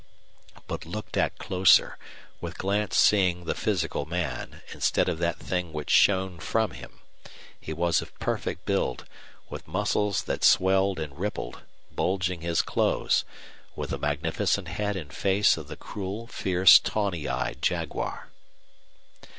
But looked at closer, with glance seeing the physical man, instead of that thing which shone from him, he was of perfect build, with muscles that swelled and rippled, bulging his clothes, with the magnificent head and face of the cruel, fierce, tawny eyed jaguar.